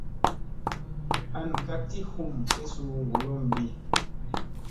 An ka ti hum tlesu golombi.